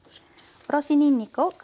おろしにんにくを加えます。